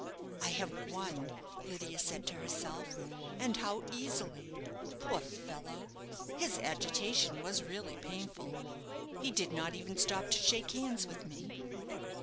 "I have won," Lydia said to herself; "and how easily! Poor fellow; his agitation was really painful. He did not even stop to shake hands with me."